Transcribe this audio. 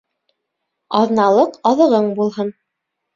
Аҙналыҡ аҙығың булһын.